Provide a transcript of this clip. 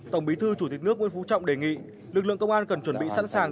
tổng bí thư chủ tịch nước nguyễn phú trọng đề nghị lực lượng công an cần chuẩn bị sẵn sàng